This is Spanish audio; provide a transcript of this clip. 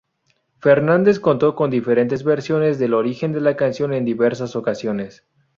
Fernández contó diferentes versiones del origen de la canción en diversas ocasiones.